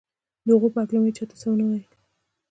د هغو په هکله مې هېچا ته څه نه ویل